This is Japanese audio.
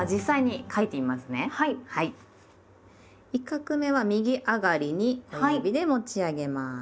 １画目は右上がりに親指で持ち上げます。